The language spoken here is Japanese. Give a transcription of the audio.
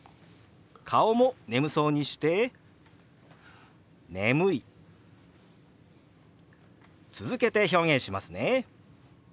顔も眠そうにして「眠い」。続けて表現しますね。